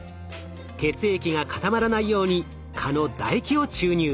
血液が固まらないように蚊のだ液を注入。